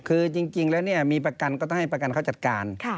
คือจริงแล้วเนี่ยมีประกันก็ต้องให้ประกันเขาจัดการ